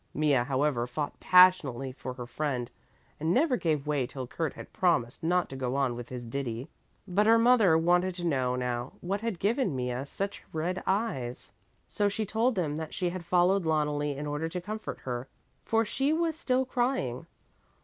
Mea, however, fought passionately for her friend and never gave way till Kurt had promised not to go on with his ditty. But her mother wanted to know now what had given Mea such red eyes. So she told them that she had followed Loneli in order to comfort her, for she was still crying.